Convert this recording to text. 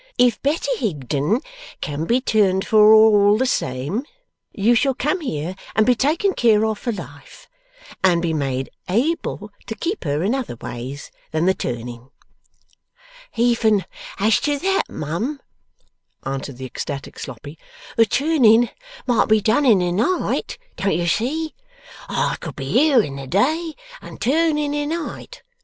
If Betty Higden can be turned for all the same, you shall come here and be taken care of for life, and be made able to keep her in other ways than the turning.' 'Even as to that, mum,' answered the ecstatic Sloppy, 'the turning might be done in the night, don't you see? I could be here in the day, and turn in the night.